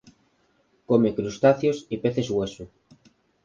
Come crustáceos y peces hueso.